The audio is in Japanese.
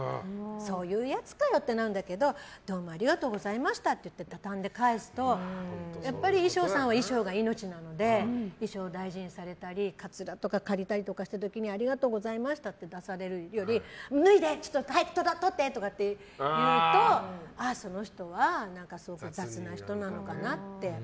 そういうやつかよってなるんだけどどうもありがとうございましたって畳んで返すとやっぱり衣装さんは衣装が命なので衣装を大事にされたりかつらとか借りたりされたりした時にありがとうございましたって出されるより脱いで、ちょっと早くとって！とか言うとその人は、雑な人なのかなって。